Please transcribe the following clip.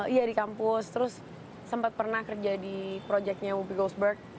iya di kampus terus sempat pernah kerja di projectnya whoopi goldberg